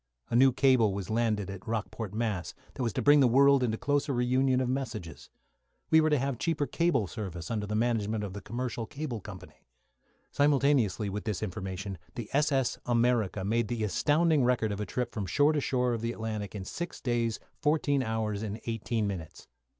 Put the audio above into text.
A new cable was landed at Rockport, Mass., that was to bring the world into closer reunion of messages. We were to have cheaper cable service under the management of the Commercial Cable Company. Simultaneously with this information, the s.s. "America" made the astounding record of a trip from shore to shore of the Atlantic, in six days fourteen hours and eighteen minutes.